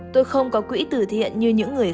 tôi không có quỹ từ thiện như những người khác